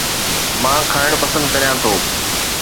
مان کائڻ پسند ڪريان ٿو